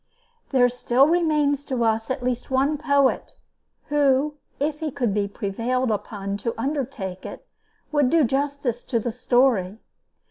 There still remains to us at least one poet, who, if he could be prevailed on to undertake it, would do justice to the story.